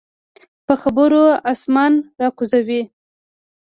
په خبرو اسمان راکوزوي.